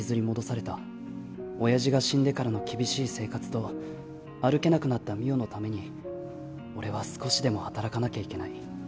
おやじが死んでからの厳しい生活と歩けなくなった美桜のために俺は少しでも働かなきゃいけない